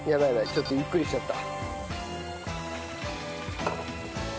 ちょっとゆっくりしちゃった。